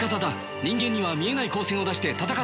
人間には見えない光線を出して戦っているんだ。